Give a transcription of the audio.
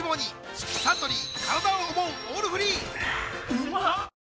うまっ！